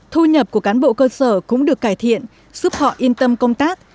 thu nhập của cán bộ cơ sở cũng được cải thiện giúp họ yên tâm công tác